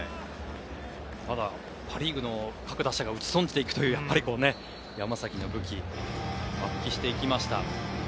パ・リーグの各打者が打ち損じていくという山崎の武器を発揮していきました。